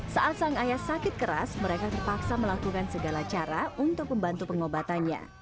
saat sang ayah sakit keras mereka terpaksa melakukan segala cara untuk membantu pengobatannya